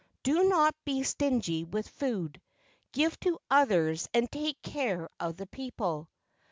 Do not be stingy with food. Give to others and take care of the people."